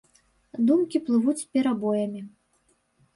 Думкі плывуць з перабоямі.